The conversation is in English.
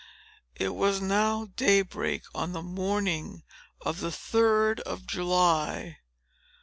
It was now day break, on the morning of the third of July.